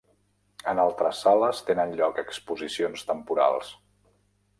En altres sales tenen lloc exposicions temporals.